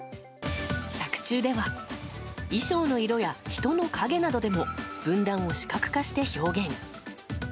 作中では衣装の色や人の影などでも分断を視覚化して表現。